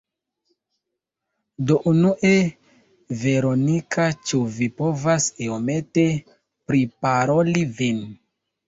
Do unue, Veronika, ĉu vi povas iomete priparoli vin?